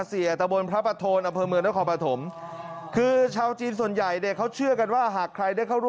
เอาไปเดินเลยครับ